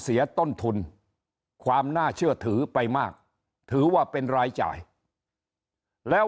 เสียต้นทุนความน่าเชื่อถือไปมากถือว่าเป็นรายจ่ายแล้ว